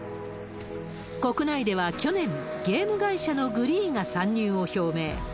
国内では去年、ゲーム会社のグリーが参入を表明。